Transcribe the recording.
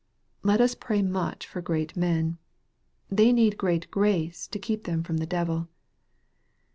Let us pray much for great men. They need great grace to keep them from the devil.